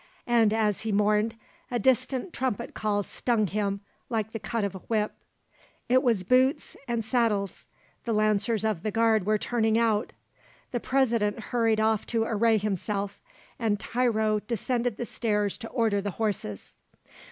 And as he mourned, a distant trumpet call stung him like the cut of a whip. It was Boots and Saddles, the Lancers of the Guard were turning out. The President hurried off to array himself, and Tiro descended the stairs to order the horses.